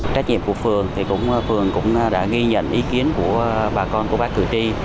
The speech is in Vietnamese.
trách nhiệm của phường thì phường cũng đã ghi nhận ý kiến của bà con của bác cử tri